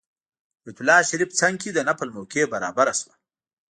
بیت الله شریف څنګ کې د نفل موقع برابره شوه.